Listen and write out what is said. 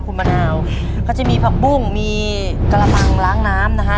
คุณมะนาวเขาจะมีผักบุ้งมีกระมังล้างน้ำนะฮะ